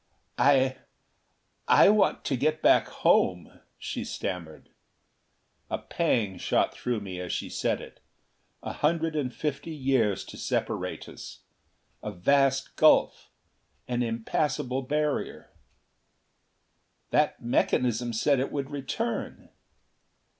"I I want to get back home," she stammered. A pang shot through me as she said it. A hundred and fifty years to separate us. A vast gulf. An impassible barrier. "That mechanism said it would return!"